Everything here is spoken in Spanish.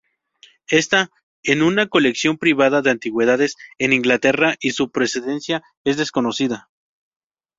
Está en una colección privada de antigüedades en Inglaterra, y su procedencia es desconocida.